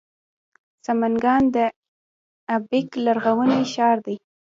سمنګان د ایبک لرغونی ښار لري